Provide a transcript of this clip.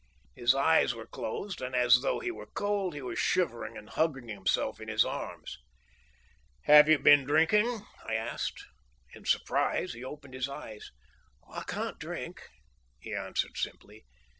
His eyes were closed, and as though he were cold he was shivering and hugging himself in his arms. "Have you been drinking?" I asked. In surprise he opened his eyes. "I can't drink," he answered simply.